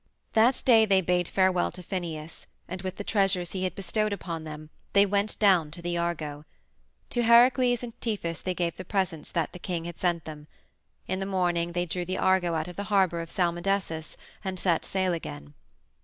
That day they bade farewell to Phineus, and with the treasures he had bestowed upon them they went down to the Argo. To Heracles and Tiphys they gave the presents that the king had sent them. In the morning they drew the Argo out of the harbor of Salmydessus, and set sail again.